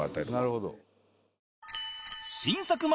なるほど。